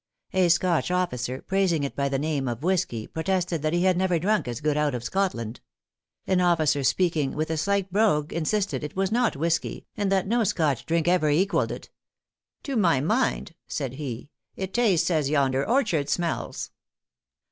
A Scotch officer, praising it by the name of whiskey, protested that he had never drunk as good out of Scotland. An officer speaking with a slight brogue, insisted it was not whiskey, and that no Scotch drink ever equalled it. "To my mind," said he, "it tastes as yonder orchard smells."